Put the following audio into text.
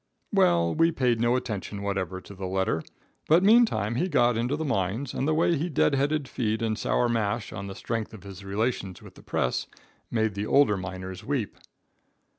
Well, we paid no attention whatever to the letter, but meantime he got into the mines, and the way he dead headed feed and sour mash, on the strength of his relations with the press, made the older miners weep.